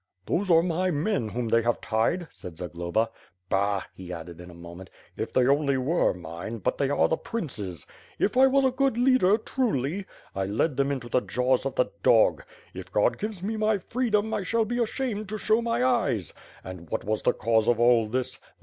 "Those are my men whom they have tied," said Zagloba. "Bah," he added, in a moment, "if they only were mine, but they are the prince's. I was a good leader, truly. I led them into the jaws of the dog. If Qod gives me my freedom, I shall be ashamed to show my eyes. And what was the cause of all this!